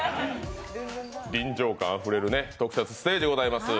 臨場感あふれる特設ステージでございます。